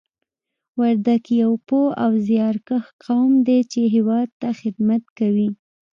وردګ یو پوه او زیارکښ قوم دی چې هېواد ته خدمت کوي